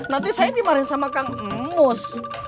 nanti saya dimarahin sama kang emos